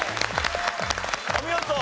お見事！